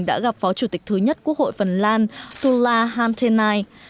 đã gặp phó chủ tịch thứ nhất quốc hội phần lan thula hantenai